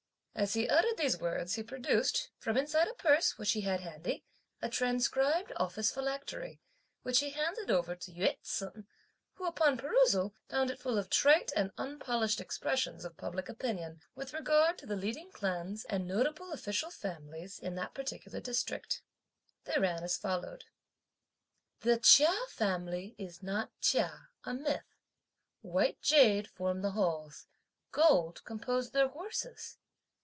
As he uttered these words, he produced, from inside a purse which he had handy, a transcribed office philactery, which he handed over to Yü ts'un; who upon perusal, found it full of trite and unpolished expressions of public opinion, with regard to the leading clans and notable official families in that particular district. They ran as follows: The "Chia" family is not "chia," a myth; white jade form the Halls; gold compose their horses!